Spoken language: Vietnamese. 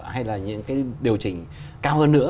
hay là những cái điều chỉnh cao hơn nữa